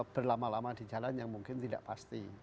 berlama lama di jalan yang mungkin tidak pasti